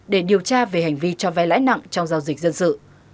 để điều tra về hành vi cho vay lãi nặng trong giao dịch dân sự